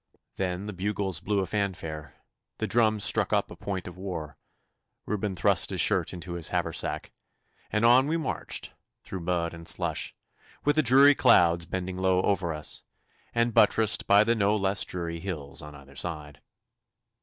Then the bugles blew a fanfare, the drums struck up a point of war, Reuben thrust his shirt into his haversack, and on we marched through mud and slush, with the dreary clouds bending low over us, and buttressed by the no less dreary hills on either side.